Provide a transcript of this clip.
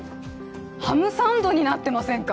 ハムサンドになってませんか！？